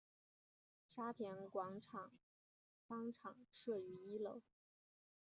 沙田广场商场设于一楼。